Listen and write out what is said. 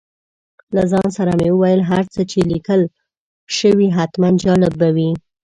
له ځان سره مې وویل هر څه چې لیکل شوي حتماً جالب به وي.